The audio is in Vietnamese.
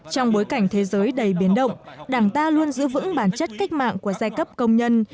trong bối cảnh thế giới đầy biến động đảng ta luôn giữ vững bản chất cách mạng của giai cấp công nhân